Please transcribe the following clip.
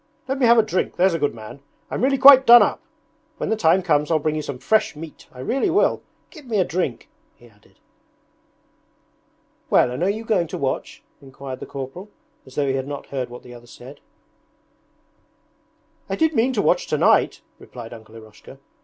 Let me have a drink, there's a good man. I'm really quite done up. When the time comes I'll bring you some fresh meat, I really will. Give me a drink!' he added. 'Well, and are you going to watch?' inquired the corporal, as though he had not heard what the other said. 'I did mean to watch tonight,' replied Uncle Eroshka.